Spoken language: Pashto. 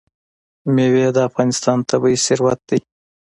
مېوې د افغانستان طبعي ثروت دی.